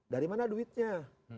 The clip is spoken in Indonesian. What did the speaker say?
dari mana duitnya